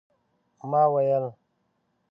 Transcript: ما ویل